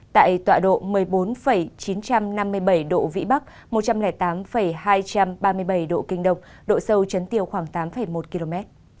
tại tọa độ một mươi bốn chín trăm năm mươi bảy độ vĩ bắc một trăm linh tám hai trăm ba mươi bảy độ kinh đông độ sâu chấn tiêu khoảng tám một km